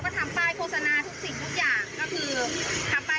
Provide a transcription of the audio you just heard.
จนเราวัดที่เสร็จตีรกร์ระบบผู้กระป๋าการ